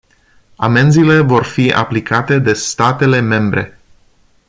Amenzile vor fi aplicate de statele membre.